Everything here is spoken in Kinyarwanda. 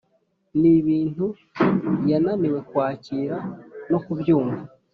nibintu yananiwe kwakira nokubyumva.